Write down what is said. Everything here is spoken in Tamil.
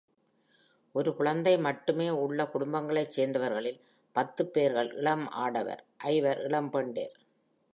ஒரு குழந்தை மட்டுமே உள்ள குடும்பங்களைச் சேர்ந்தவர்களில் பத்துப் பேர்கள் இளம் ஆடவர்; ஐவர் இளம் பெண்டிர்.